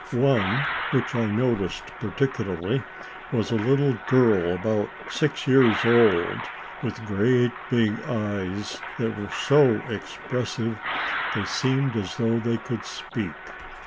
One, which I noticed particularly, was a little girl about six years old, with great big eyes that were so expressive they seemed as though they could speak.